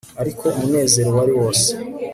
ariko umunezero wari wose